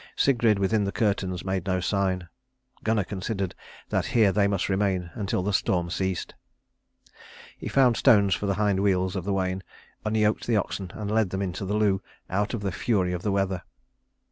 Sigrid within the curtains made no sign. Gunnar considered that here they must remain until the storm ceased. He found stones for the hind wheels of the wain, unyoked the oxen and led them into the lew, out of the fury of the weather.